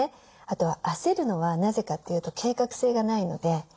あとは焦るのはなぜかというと計画性がないので。